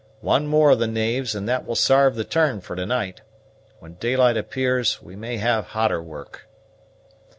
One more of the knaves, and that will sarve the turn for to night. When daylight appears, we may have hotter work."